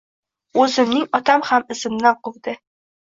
O’zimning otam ham izimdan quvdi.